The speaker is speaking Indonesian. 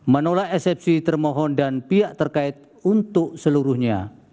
menolak eksepsi termohon dan pihak terkait untuk seluruhnya